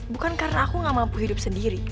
bukan karena aku gak mampu hidup sendiri